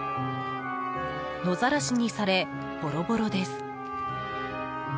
野ざらしにされボロボロです。